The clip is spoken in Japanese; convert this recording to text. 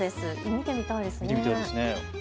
見てみたいですね。